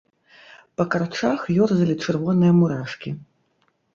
Па карчах ёрзалі чырвоныя мурашкі.